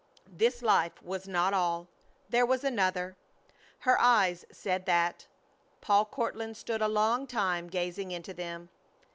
This life was not all. There was another. Her eyes said that. Paul Courtland stood a long time gazing into them.